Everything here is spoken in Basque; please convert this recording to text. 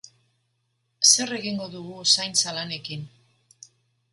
Zer egingo dugu zaintza lanekin?